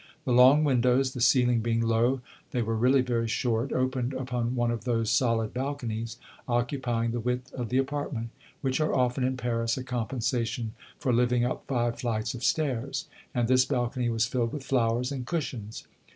The long windows the ceiling being low, they were really very short opened upon one of those solid balconies, occupying the width of the apartment, which are often in Paris a compensation for living up five flights of stairs, and this balcony was filled with flowers and cushions.